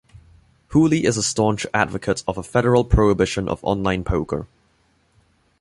Hooley is a staunch advocate of a federal prohibition of online poker.